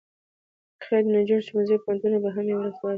خير د نجونو ښوونځي او پوهنتونونه به هم يوه ورځ خلاص شي.